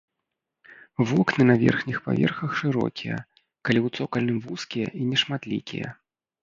Вокны на верхніх паверхах шырокія, калі ў цокальным вузкія і нешматлікія.